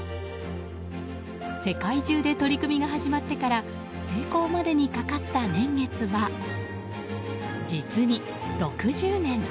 世界中で取り組みが始まってから成功までにかかった年月は実に６０年。